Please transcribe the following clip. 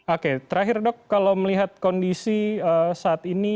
oke terakhir dok kalau melihat kondisi saat ini